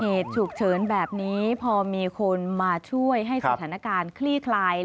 เหตุฉุกเฉินแบบนี้พอมีคนมาช่วยให้สถานการณ์คลี่คลาย